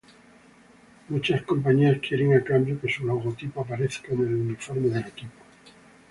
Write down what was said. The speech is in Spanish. Muchas compañías quieren a cambio que su logotipo aparezca en el uniforme del equipo.